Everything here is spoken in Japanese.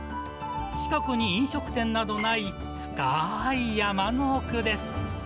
近くに飲食店などない、深ーい山の奥です。